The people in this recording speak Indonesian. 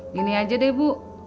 gini aja deh bu